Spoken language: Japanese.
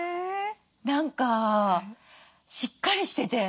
何かしっかりしてて。